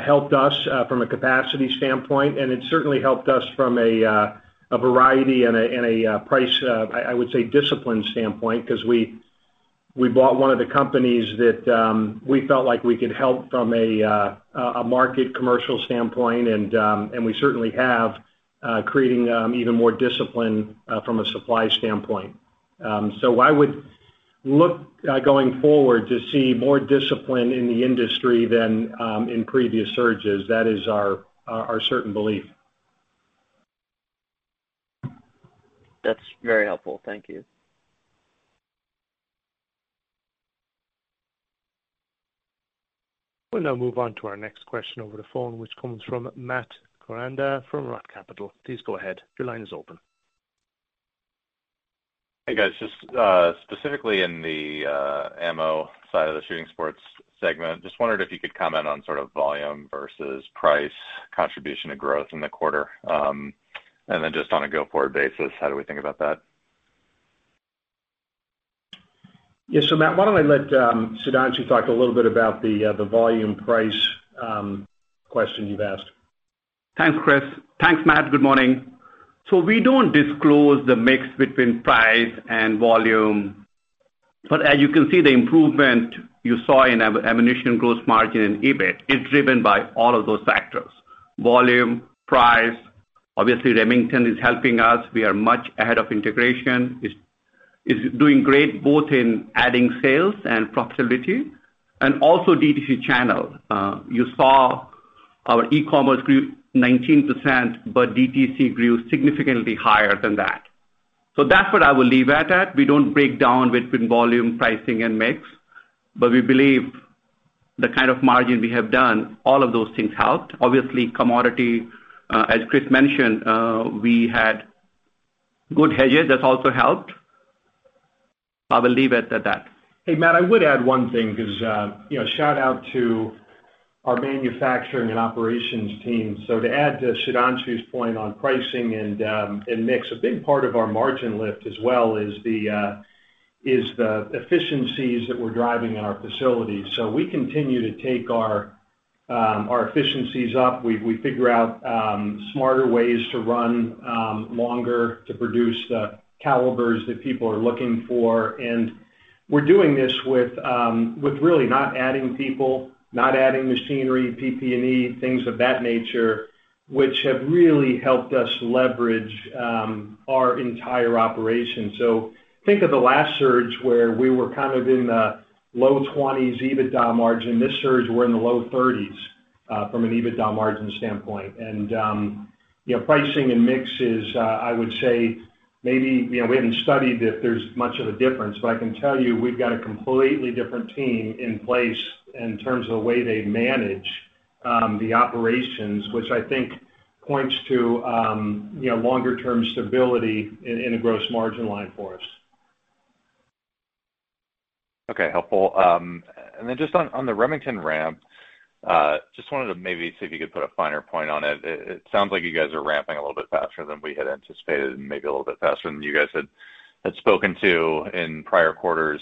helped us from a capacity standpoint, and it certainly helped us from a variety and a price, I would say, discipline standpoint, because we bought one of the companies that we felt like we could help from a market commercial standpoint, and we certainly have, creating even more discipline from a supply standpoint. I would look going forward to see more discipline in the industry than in previous surges. That is our certain belief. That's very helpful. Thank you. We'll now move on to our next question over the phone, which comes from Matt Koranda from Roth Capital. Please go ahead. Your line is open. Hey, guys. Just specifically in the ammo side of the shooting sports segment, just wondered if you could comment on sort of volume versus price contribution to growth in the quarter. Then just on a go-forward basis, how do we think about that? Yeah. Matt, why don't I let Sudhanshu talk a little bit about the volume price question you've asked. Thanks, Chris. Thanks, Matt. Good morning. We don't disclose the mix between price and volume, but as you can see, the improvement you saw in ammunition gross margin and EBIT is driven by all of those factors, volume, price. Obviously, Remington is helping us. We are much ahead of integration. It's doing great, both in adding sales and profitability and also DTC channel. You saw our e-commerce grew 19%, but DTC grew significantly higher than that. That's what I will leave at. We don't break down between volume, pricing, and mix, but we believe the kind of margin we have done, all of those things helped. Obviously, commodity, as Chris mentioned, we had good hedges. That also helped. I will leave it at that. Hey, Matt, I would add one thing, because shout out to our manufacturing and operations team. To add to Sudhanshu's point on pricing and mix, a big part of our margin lift as well is the efficiencies that we're driving in our facilities. We continue to take our efficiencies up. We figure out smarter ways to run longer to produce the calibers that people are looking for. We're doing this with really not adding people, not adding machinery, PP&E, things of that nature, which have really helped us leverage our entire operation. Think of the last surge, where we were kind of in the low 20s EBITDA margin. This surge, we're in the low 30s from an EBITDA margin standpoint. Pricing and mix is, I would say, maybe we haven't studied if there's much of a difference, but I can tell you we've got a completely different team in place in terms of the way they manage the operations, which I think points to longer-term stability in the gross margin line for us. Okay. Helpful. Then just on the Remington ramp, just wanted to maybe see if you could put a finer point on it. It sounds like you guys are ramping a little bit faster than we had anticipated and maybe a little bit faster than you guys had spoken to in prior quarters.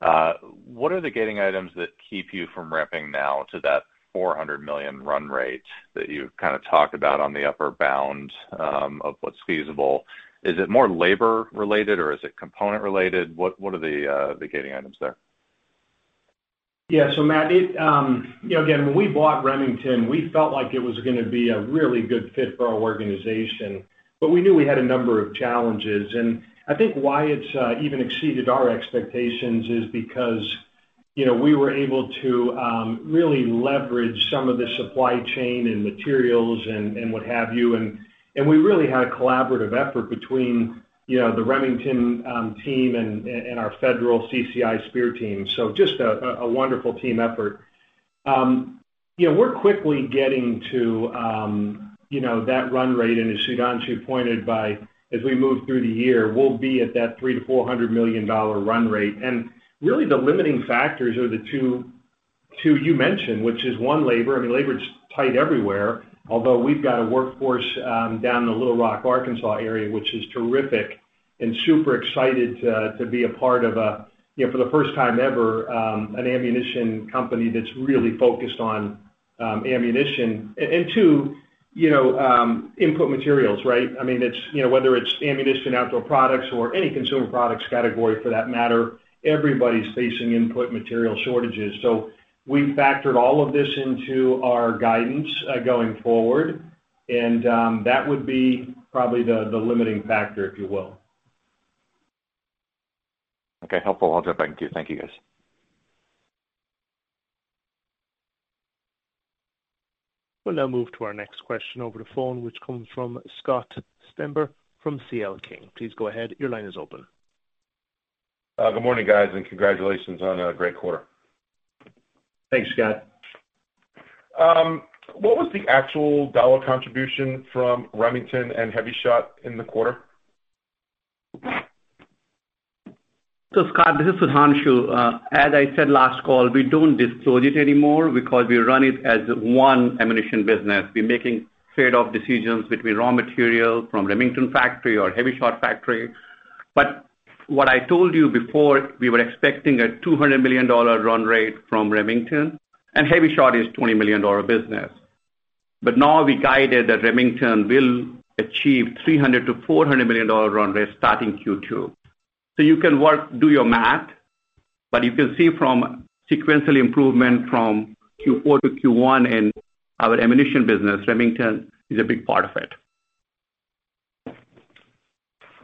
What are the gating items that keep you from ramping now to that $400 million run rate that you've kind of talked about on the upper bound of what's feasible? Is it more labor related or is it component related? What are the gating items there? Yeah. Matt, again, when we bought Remington, we felt like it was going to be a really good fit for our organization, but we knew we had a number of challenges. I think why it's even exceeded our expectations is because we were able to really leverage some of the supply chain and materials and what have you, and we really had a collaborative effort between the Remington team and our Federal CCI Speer team. Just a wonderful team effort. We're quickly getting to that run rate, and as Sudhanshu pointed by, as we move through the year, we'll be at that $300 million-$400 million run rate. Really the limiting factors are the two you mentioned, which is, one, labor. Labor's tight everywhere, although we've got a workforce down in the Little Rock, Arkansas area, which is terrific and super excited to be a part of, for the first time ever, an ammunition company that's really focused on ammunition. Two, input materials, right? Whether it's ammunition, outdoor products or any consumer products category for that matter, everybody's facing input material shortages. We've factored all of this into our guidance going forward, and that would be probably the limiting factor, if you will. Okay. Helpful. I'll drop back to you. Thank you, guys. We'll now move to our next question over the phone, which comes from Scott Stember from C.L. King. Please go ahead. Your line is open. Good morning, guys, and congratulations on a great quarter. Thanks, Scott. What was the actual dollar contribution from Remington and Hevi-Shot in the quarter? Scott, this is Sudhanshu. As I said last call, we don't disclose it anymore because we run it as one ammunition business. We're making trade-off decisions between raw material from Remington factory or Hevi-Shot factory. What I told you before, we were expecting a $200 million run rate from Remington, and Hevi-Shot is a $20 million business. Now we guided that Remington will achieve $300 million-$400 million run rate starting Q2. You can do your math, you can see from sequential improvement from Q4 to Q1 in our ammunition business, Remington is a big part of it.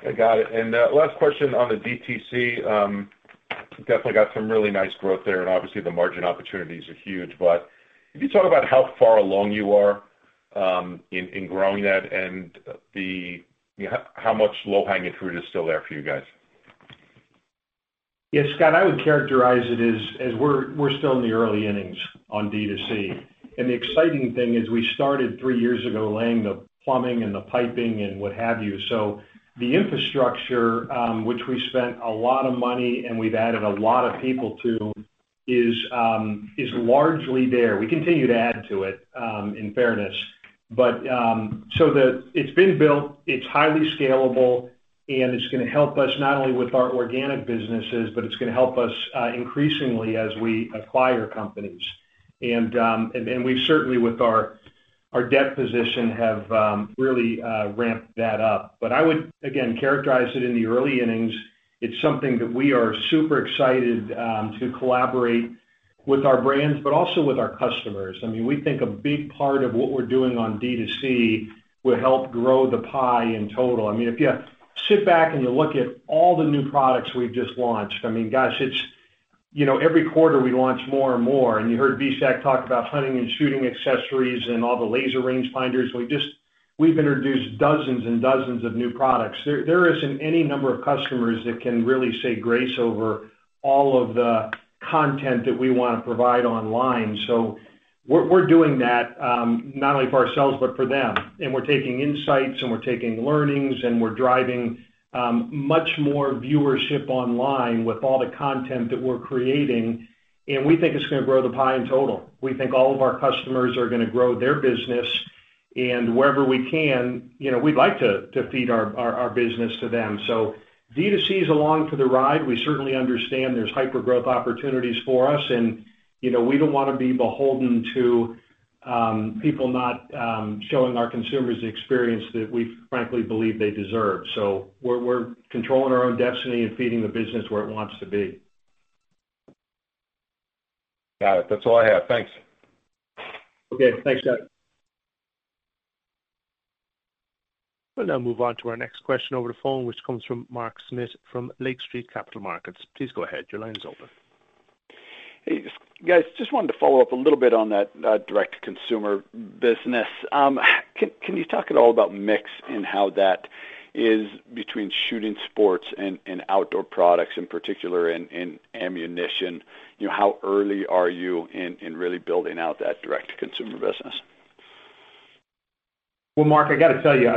I got it. Last question on the DTC. Definitely got some really nice growth there, and obviously, the margin opportunities are huge, but can you talk about how far along you are in growing that and how much low-hanging fruit is still there for you guys? Yes, Scott, I would characterize it as we're still in the early innings on D2C. The exciting thing is we started three years ago laying the plumbing and the piping and what have you. The infrastructure, which we spent a lot of money and we've added a lot of people to, is largely there. We continue to add to it, in fairness. It's been built, it's highly scalable, and it's going to help us not only with our organic businesses, but it's going to help us increasingly as we acquire companies. We've certainly, with our debt position, have really ramped that up. I would, again, characterize it in the early innings. It's something that we are super excited to collaborate with our brands, but also with our customers. We think a big part of what we're doing on D2C will help grow the pie in total. If you sit back and you look at all the new products we've just launched, gosh, every quarter we launch more and more. You heard Vishak Sankaran talk about hunting and shooting accessories and all the laser rangefinders. We've introduced dozens and dozens of new products. There isn't any number of customers that can really say grace over all of the content that we want to provide online. We're doing that, not only for ourselves, but for them. We're taking insights and we're taking learnings, and we're driving much more viewership online with all the content that we're creating, and we think it's going to grow the pie in total. We think all of our customers are going to grow their business. Wherever we can, we'd like to feed our business to them. D2C is along for the ride. We certainly understand there's hyper growth opportunities for us. We don't want to be beholden to people not showing our consumers the experience that we frankly believe they deserve. We're controlling our own destiny and feeding the business where it wants to be. Got it. That's all I have. Thanks. Okay. Thanks, Scott. We'll now move on to our next question over the phone, which comes from Mark Smith from Lake Street Capital Markets. Please go ahead. Your line is open. Hey, guys. Just wanted to follow up a little bit on that direct-to-consumer business. Can you talk at all about mix and how that is between shooting sports and outdoor products in particular, and ammunition? How early are you in really building out that direct-to-consumer business? Well, Mark, I got to tell you,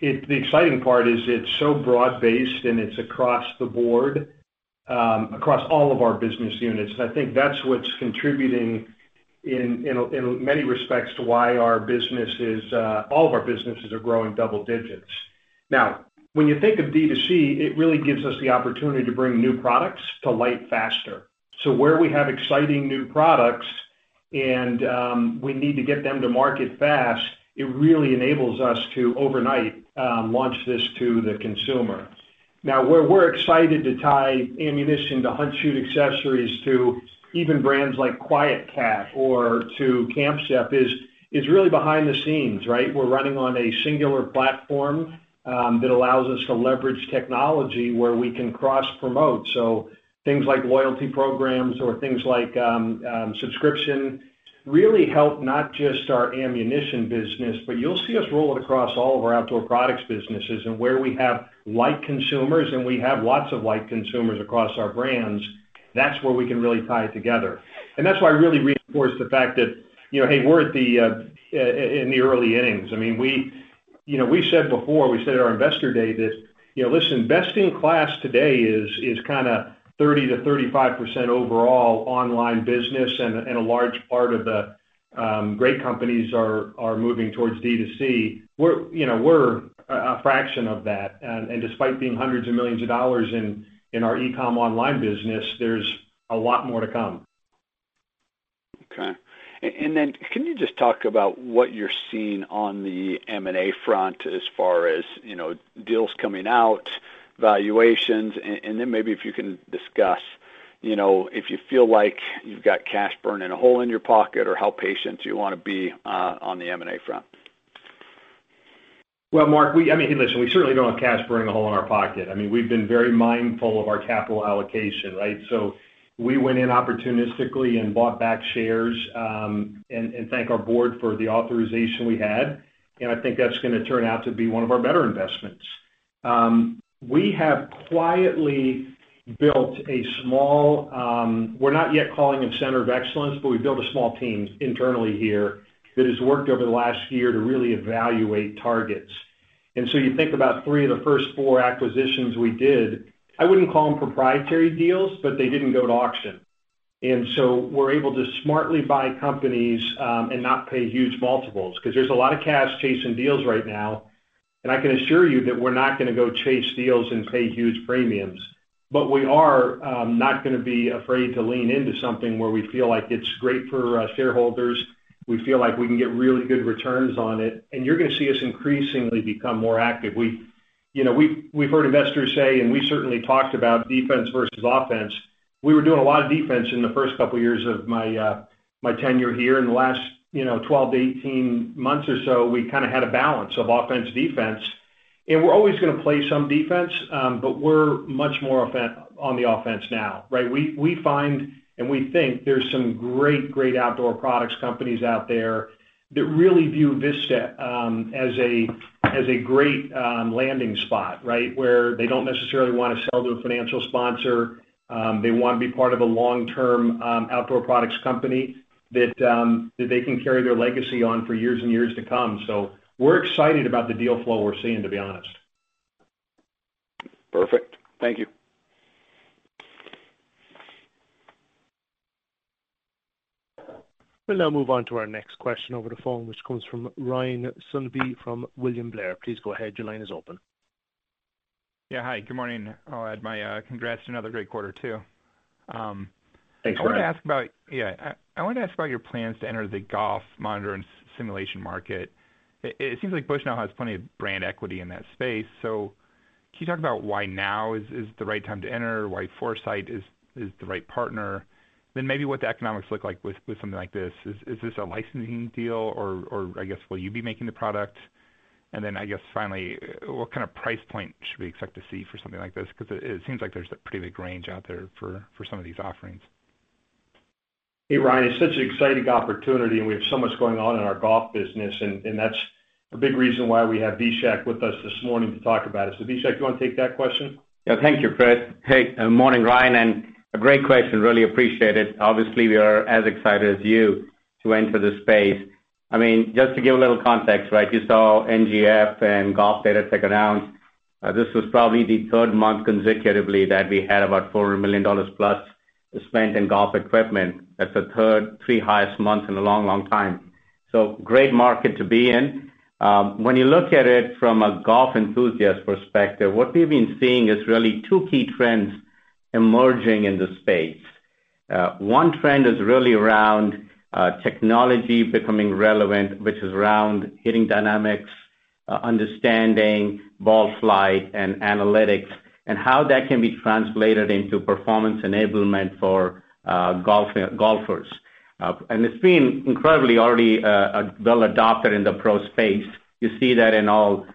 the exciting part is it's so broad-based, and it's across the board, across all of our business units. I think that's what's contributing in many respects to why all of our businesses are growing double digits. When you think of D2C, it really gives us the opportunity to bring new products to light faster. Where we have exciting new products and we need to get them to market fast, it really enables us to overnight launch this to the consumer. Where we're excited to tie ammunition to Hunt Shoot Accessories to even brands like QuietKat or to Camp Chef is really behind the scenes, right? We're running on a singular platform that allows us to leverage technology where we can cross-promote. Things like loyalty programs or things like subscription really help not just our ammunition business, but you'll see us roll it across all of our outdoor products businesses. Where we have like consumers, and we have lots of like consumers across our brands, that's where we can really tie it together. That's why I really reinforce the fact that we're in the early innings. We said before, we said at our investor day that, listen, best in class today is kind of 30%-35% overall online business, and a large part of the great companies are moving towards D2C. We're a fraction of that, and despite being hundreds of millions of dollars in our e-com online business, there's a lot more to come. Okay. Then can you just talk about what you're seeing on the M&A front as far as deals coming out, valuations, and then maybe if you can discuss if you feel like you've got cash burning a hole in your pocket or how patient you want to be on the M&A front? Mark, hey, listen, we certainly don't have cash burning a hole in our pocket. We've been very mindful of our capital allocation, right? We went in opportunistically and bought back shares, and thank our board for the authorization we had. I think that's going to turn out to be one of our better investments. We have quietly built a small-- we're not yet calling it center of excellence, but we built a small team internally here that has worked over the last year to really evaluate targets. You think about three of the first four acquisitions we did, I wouldn't call them proprietary deals, but they didn't go to auction. We're able to smartly buy companies and not pay huge multiples, because there's a lot of cash chasing deals right now, and I can assure you that we're not going to go chase deals and pay huge premiums. We are not going to be afraid to lean into something where we feel like it's great for our shareholders, we feel like we can get really good returns on it, and you're going to see us increasingly become more active. We've heard investors say, and we certainly talked about defense versus offense. We were doing a lot of defense in the first couple of years of my tenure here. In the last 12-18 months or so, we kind of had a balance of offense, defense. We're always going to play some defense, but we're much more on the offense now, right? We find, we think there's some great Outdoor Products companies out there that really view Vista as a great landing spot, right? Where they don't necessarily want to sell to a financial sponsor. They want to be part of a long-term Outdoor Products company that they can carry their legacy on for years and years to come. We're excited about the deal flow we're seeing, to be honest. Perfect. Thank you. We'll now move on to our next question over the phone, which comes from Ryan Sundby from William Blair. Please go ahead. Your line is open. Hi, good morning. I'll add my congrats to another great quarter too. Thanks, Ryan. I wanted to ask about your plans to enter the golf monitor and simulation market. It seems like Bushnell has plenty of brand equity in that space. Can you talk about why now is the right time to enter, why Foresight is the right partner? Maybe what the economics look like with something like this. Is this a licensing deal or, I guess, will you be making the product? I guess, finally, what kind of price point should we expect to see for something like this? Because it seems like there's a pretty big range out there for some of these offerings. Hey, Ryan. It's such an exciting opportunity, and we have so much going on in our golf business, and that's a big reason why we have Vishak with us this morning to talk about it. Vishak, do you want to take that question? Yeah. Thank you, Chris. Hey, morning, Ryan, a great question. Really appreciate it. Obviously, we are as excited as you to enter this space. Just to give a little context, you saw NGF and Golf Datatech announce this was probably the third month consecutively that we had about $4 million+ spent in golf equipment. That's the third three highest months in a long time. Great market to be in. When you look at it from a golf enthusiast perspective, what we've been seeing is really two key trends emerging in the space. One trend is really around technology becoming relevant, which is around hitting dynamics, understanding ball flight and analytics, and how that can be translated into performance enablement for golfers. It's been incredibly already well adopted in the pro space. You see that in all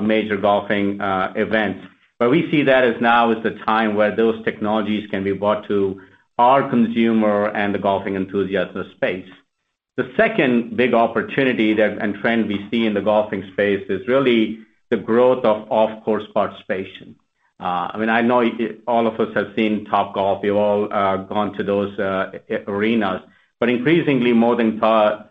major golfing events. We see that as now is the time where those technologies can be brought to our consumer and the golfing enthusiast space. The second big opportunity and trend we see in the golfing space is really the growth of off-course participation. I know all of us have seen Topgolf. We've all gone to those arenas. Increasingly more than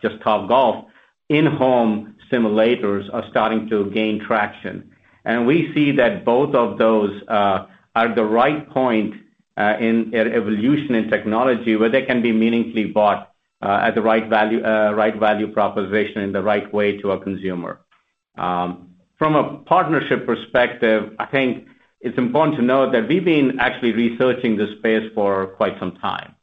just Topgolf, in-home simulators are starting to gain traction. We see that both of those are at the right point in their evolution in technology where they can be meaningfully bought at the right value proposition in the right way to a consumer. From a partnership perspective, I think it's important to note that we've been actually researching this space for quite some time.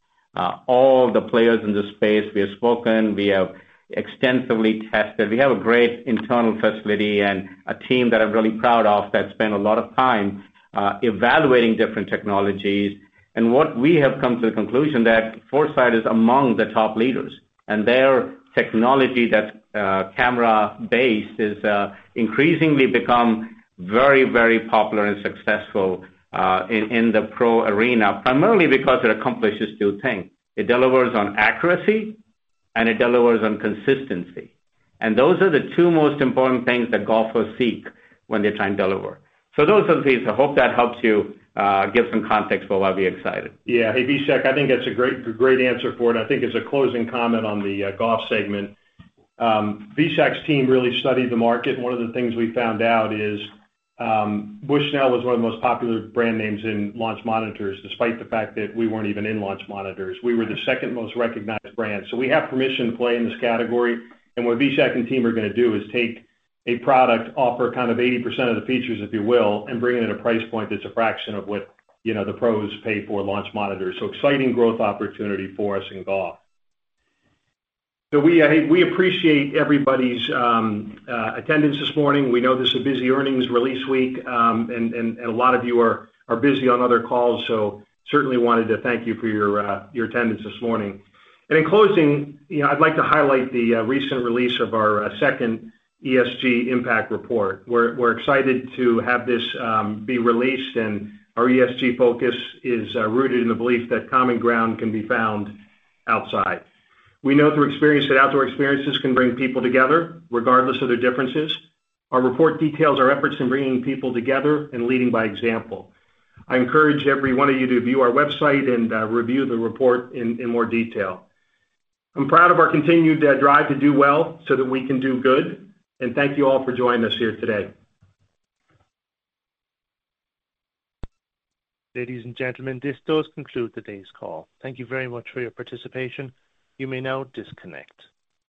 All the players in this space, we have spoken, we have extensively tested. We have a great internal facility and a team that I'm really proud of that spent a lot of time evaluating different technologies. What we have come to the conclusion that Foresight is among the top leaders, and their technology that's camera-based has increasingly become very popular and successful in the pro arena, primarily because it accomplishes two things. It delivers on accuracy, it delivers on consistency. Those are the two most important things that golfers seek when they're trying to deliver. Those are the things. I hope that helps you give some context for why we're excited. Hey, Vishak, I think that's a great answer for it. I think as a closing comment on the golf segment, Vishak's team really studied the market, and one of the things we found out is, Bushnell was one of the most popular brand names in launch monitors, despite the fact that we weren't even in launch monitors. We were the second most recognized brand. We have permission to play in this category. What Vishak and team are going to do is take a product, offer kind of 80% of the features, if you will, and bring it at a price point that's a fraction of what the pros pay for launch monitors. Exciting growth opportunity for us in golf. We appreciate everybody's attendance this morning. We know this is a busy earnings release week, and a lot of you are busy on other calls, so certainly wanted to thank you for your attendance this morning. In closing, I'd like to highlight the recent release of our second ESG impact report. We're excited to have this be released, and our ESG focus is rooted in the belief that common ground can be found outside. We know through experience that outdoor experiences can bring people together regardless of their differences. Our report details our efforts in bringing people together and leading by example. I encourage every one of you to view our website and review the report in more detail. I'm proud of our continued drive to do well so that we can do good, and thank you all for joining us here today. Ladies and gentlemen, this does conclude today's call. Thank you very much for your participation. You may now disconnect.